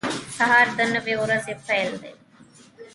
• سهار د نوې ورځې پیل دی.